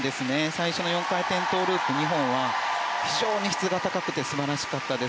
最初の４回転トウループ２本は非常に質が高くて素晴らしかったです。